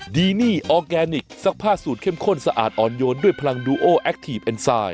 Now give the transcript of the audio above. ดีนี่ออร์แกนิคซักผ้าสูตรเข้มข้นสะอาดอ่อนโยนด้วยพลังดูโอแอคทีฟเอ็นไซด